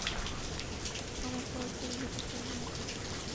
আমাকে ওর চুল দিতে পারবে?